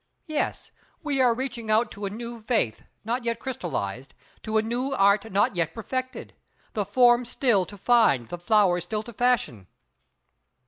Yes, we are reaching out to a new faith not yet crystallised, to a new Art not yet perfected; the forms still to find the flowers still to fashion!